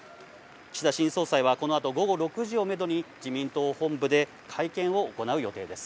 岸田新総裁はこのあと午後６時をメドに、自民党本部で会見を行う予定です。